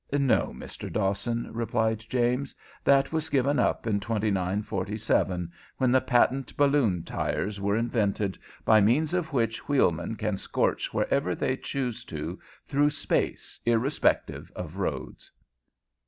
"No, Mr. Dawson," replied James. "That was given up in 2947, when the patent balloon tires were invented, by means of which wheelmen can scorch wherever they choose to through space, irrespective of roads."